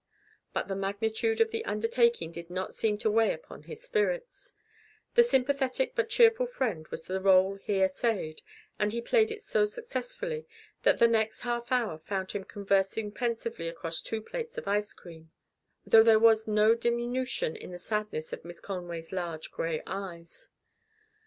But the magnitude of the undertaking did not seem to weigh upon his spirits. The sympathetic but cheerful friend was the role he essayed, and he played it so successfully that the next half hour found them conversing pensively across two plates of ice cream, though yet there was no diminution of the sadness in Miss Conway's large gray eyes.